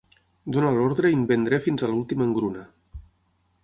Dona l'ordre i en vendré fins a l'última engruna.